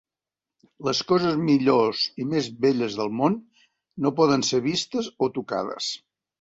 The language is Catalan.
Les coses millors i més belles del món no poden ser vistes o tocades.